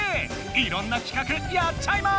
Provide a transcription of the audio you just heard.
いろんな企画やっちゃいます！